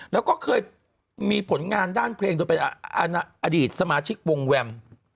แล้วก็เคยมีผลงานด้านเพลงโดยเป็นอดีตสมาชิกวงแวม